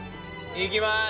いきます！